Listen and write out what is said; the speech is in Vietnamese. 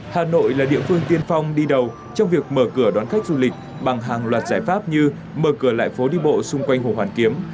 hà nội là địa phương tiên phong đi đầu trong việc mở cửa đón khách du lịch bằng hàng loạt giải pháp như mở cửa lại phố đi bộ xung quanh hồ hoàn kiếm